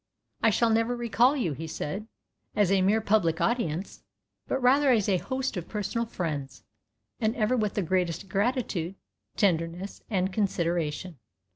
"I shall never recall you," he said, "as a mere public audience, but rather as a host of personal friends, and ever with the greatest gratitude, tenderness, and consideration.